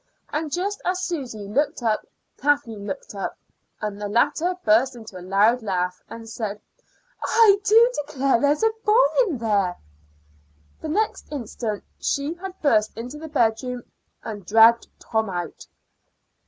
And just as Susy looked up Kathleen looked up, and the latter burst into a loud laugh, and said: "I do declare there's a boy in there." The next instant she had burst into the bedroom and dragged Tom out.